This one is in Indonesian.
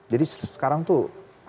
jadi sekarang tuh